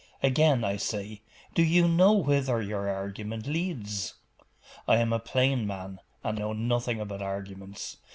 'Again, I say, do you know whither your argument leads?' 'I am a plain man, and know nothing about arguments.